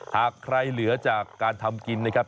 หากใครเหลือจากการทำกินนะครับ